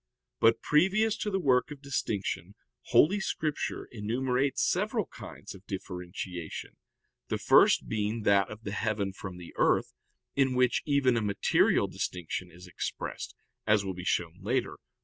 But previous to the work of distinction Holy Scripture enumerates several kinds of differentiation, the first being that of the heaven from the earth, in which even a material distinction is expressed, as will be shown later (A.